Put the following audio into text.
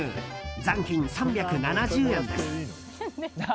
残金３７０円です。